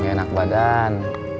gak enak badan